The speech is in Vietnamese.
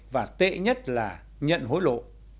và tệ nhất là nhận hối lộ